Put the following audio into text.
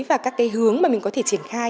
và các hướng mà mình có thể triển khai